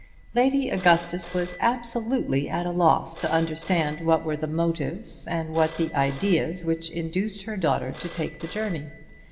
Lady Augustus was absolutely at a loss to understand what were the motives and what the ideas which induced her daughter to take the journey.